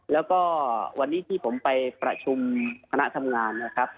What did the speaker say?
แล้วก็วันนี้ที่ผมไปประชุมคณะทำงานนะครับ